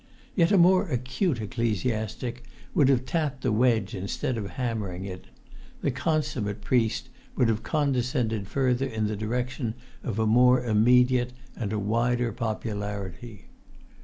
Yet a more acute ecclesiastic would have tapped the wedge instead of hammering it; the consummate priest would have condescended further in the direction of a more immediate and a wider popularity.